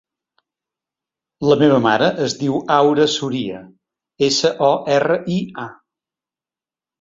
La meva mare es diu Aura Soria: essa, o, erra, i, a.